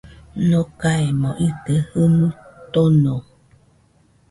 Nokaemo ite jɨnuo tono